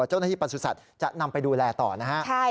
เจ้าหน้าที่ปรรสุทธิ์สัตว์จะนำไปดูแลต่อนะครับ